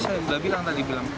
saya sudah bilang tadi